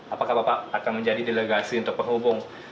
apakah bapak akan menjadi delegasi untuk penghubung